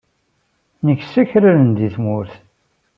Nkess akraren deg tmurt.